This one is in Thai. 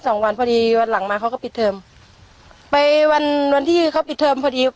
สองวันพอดีวันหลังมาเขาก็ปิดเทอมไปวันวันที่เขาปิดเทอมพอดี